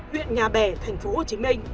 huyện nhà bè tp hcm